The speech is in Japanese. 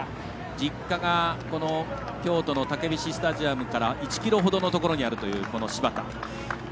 実家が京都のたけびしスタジアムから１ｋｍほどのところにあるという柴田。